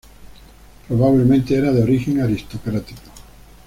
Probablemente era de origen aristocrático.